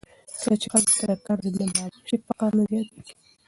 کله چې ښځو ته د کار زمینه برابره شي، فقر نه زیاتېږي.